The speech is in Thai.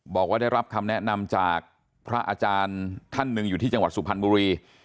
บอกว่าได้รับคำแนะนำจากพระอาจารย์ท่านหนึ่งอยู่ที่จังหวัดสุพรรณบุรี